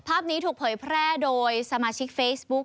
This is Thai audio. ภาพนี้ถูกเผยแพร่โดยสมาชิกเฟซบุ๊ค